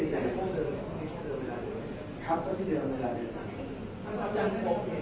แต่ว่าไม่มีปรากฏว่าถ้าเกิดคนให้ยาที่๓๑